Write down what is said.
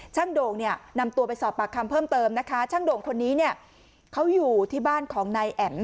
โด่งเนี่ยนำตัวไปสอบปากคำเพิ่มเติมนะคะช่างโด่งคนนี้เนี่ยเขาอยู่ที่บ้านของนายแอ๋ม